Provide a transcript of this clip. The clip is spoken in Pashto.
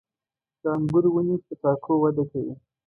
• د انګورو ونې په تاکو وده کوي.